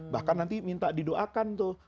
bahkan nanti minta didoakan tuh